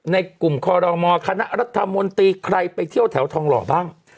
ในกลุ่มคอรมอคณะรัฐมนตรีใครไปเที่ยวแถวทองหล่อบ้าง